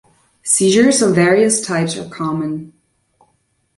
Seizures of various types are common.